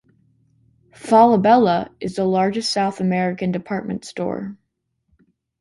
Falabella, is the largest South American department store.